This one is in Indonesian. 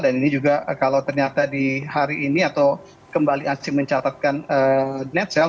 dan ini juga kalau ternyata di hari ini atau kembali asing mencatatkan net sale